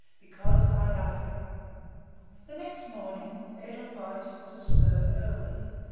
XXV. "BECAUSE I LOVE HIM" The next morning Edelweiss was astir early.